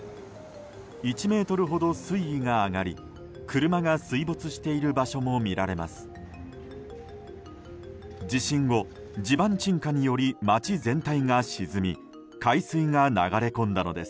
１ｍほど水位が上がり車が水没している場所も見られます。